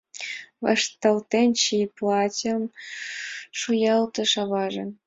— Вашталтен чий, — платьым шуялтыш аваже.